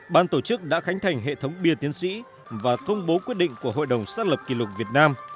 ban tổ chức đã khánh thành hệ thống bia tiến sĩ và công bố quyết định của hội đồng xác lập kỷ lục việt nam